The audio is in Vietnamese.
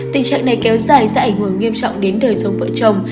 tình trạng này kéo dài sẽ ảnh hưởng nghiêm trọng đến đời sống vợ chồng